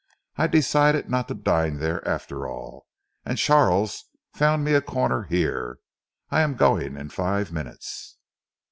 I decided not to dine there, after all, and Charles found me a corner here. I am going in five minutes."